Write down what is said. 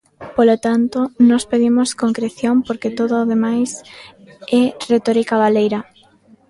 Polo tanto, nós pedimos concreción porque todo o demais é retórica baleira.